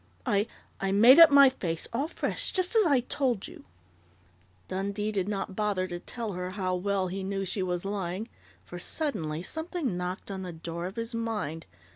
I I made up my face all fresh, just as I told you " Dundee did not bother to tell her how well he knew she was lying, for suddenly something knocked on the door of his mind.